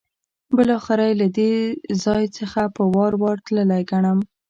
بالاخره یې له دې ځای څخه په وار وار تللی ګڼم.